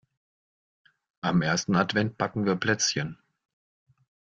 Am ersten Advent backen wir Plätzchen.